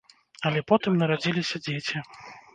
Але потым нарадзіліся дзеці.